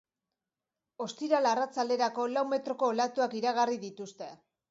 Ostiral arratsalderako, lau metroko olatuak iragarrri dituzte.